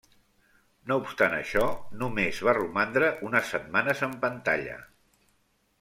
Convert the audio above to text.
No obstant això, només va romandre unes setmanes en pantalla.